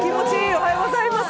おはようございます。